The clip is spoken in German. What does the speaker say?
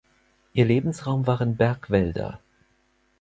Ihr Lebensraum waren Bergwälder.